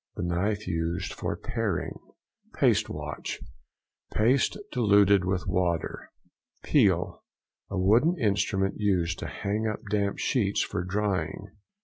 —The knife used for paring. PASTE WASH.—Paste diluted with water. PEEL.—A wooden instrument used to hang up damp sheets for drying.